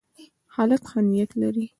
هلک ښه نیت لري.